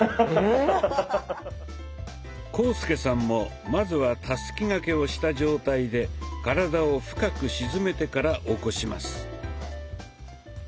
⁉浩介さんもまずはたすき掛けをした状態で体を深く沈めてから起こします。